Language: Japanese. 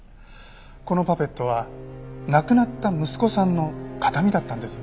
このパペットは亡くなった息子さんの形見だったんです。